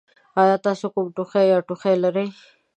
ایا تاسو کوم ټوخی یا ټوخی لرئ؟